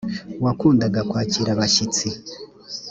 wakundaga kwakira abashyitsi